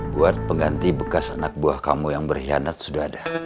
buat pengganti bekas anak buah kamu yang berkhianat sudah ada